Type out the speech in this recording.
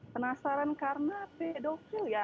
penasaran karena pedofil ya